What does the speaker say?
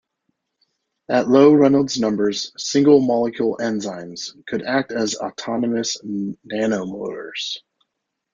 At low Reynold's numbers, single molecule enzymes could act as autonomous nanomotors.